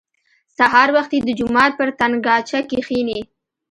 سهار وختي د جومات پر تنګاچه کښېني.